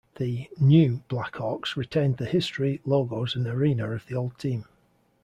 The "new" Black Hawks retained the history, logos, and arena of the old team.